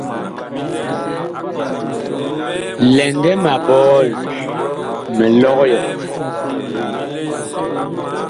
Lɛŋgɛ ma bɔɔl mi lɔg yɔ.